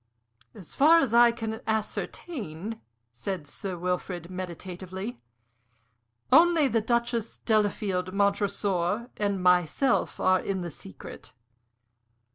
"As far as I can ascertain," said Sir Wilfrid, meditatively, "only the Duchess, Delafield, Montresor, and myself are in the secret."